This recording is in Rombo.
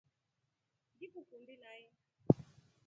Ngikukundi nai.